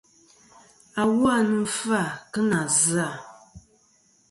Awu a nɨn fɨ-à kɨ nà zɨ-à.